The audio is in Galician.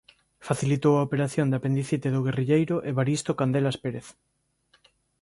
Facilitou a operación de apendicite do guerrilleiro Evaristo Candelas Pérez.